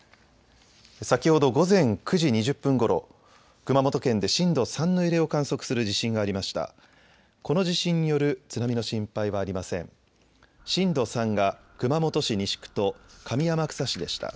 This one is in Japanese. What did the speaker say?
先ほど午前９時２０分ごろ、熊本県で震度３の揺れを観測する地震がありました。